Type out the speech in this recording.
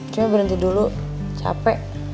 cuma berhenti dulu capek